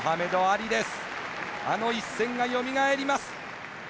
あの一戦がよみがえります。